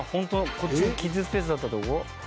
こっちがキッズスペースだったとこ？